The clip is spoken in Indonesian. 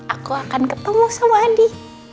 aku akan ketemu sama andi